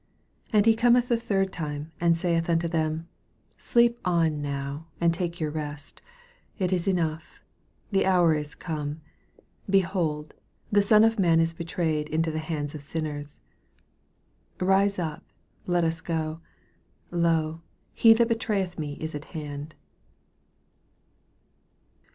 41 And he cometh the third time, and saith unto them, Sleep on now, and take your rest : it is enough, the hour is come ; behold, the Son of man is betrayed into the hands of sinners. 4 2 Kise up, let us go; lo, he that betrayeth me is at hand.